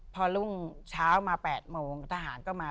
พอรุ่งเช้ามา๘โมงทหารก็มา